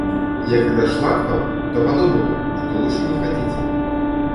Я когда шла к вам, то подумала, что лучше не ходить.